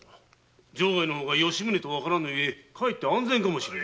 城外の方が吉宗とわからぬゆえかえって安全かもしれぬ。